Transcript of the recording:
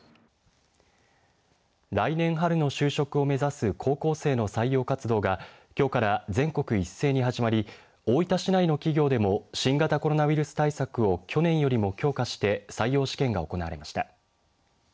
来年春の就職を目指す高校生の採用活動がきょうから全国一斉に始まり大分市内の企業でも新型コロナウイルスの対策を去年より強化して採用試験が行われました。